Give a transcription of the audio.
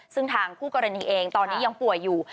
ซึ่งทางคู่กรณีเองตอนนี้ยังป่วยอยู่